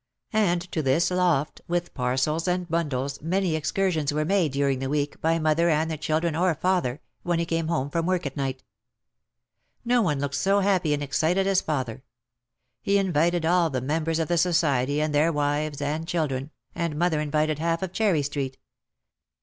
And to this loft with parcels and bundles many excursions were made during the week by mother and the children or father, when he came home from work at night. No one looked so happy and excited as father. He invited all the members of the society, and their wives and children, and mother invited half of Cherry Street.